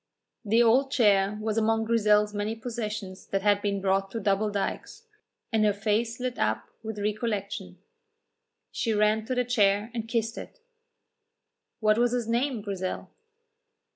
The old chair was among Grizel's many possessions that had been brought to Double Dykes, and her face lit up with recollection. She ran to the chair and kissed it. "What was his name, Grizel?"